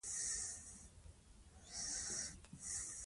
د خپلې خاورې هر بوټی درمل دی.